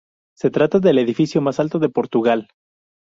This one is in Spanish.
Se trata del edificio más alto de Portugal.